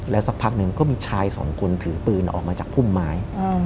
สักพักหนึ่งก็มีชายสองคนถือปืนออกมาจากพุ่มไม้